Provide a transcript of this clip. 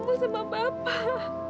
dewi harus ketemu sama bapak